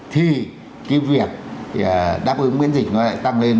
thì cái việc đáp ứng miễn dịch nó lại tăng lên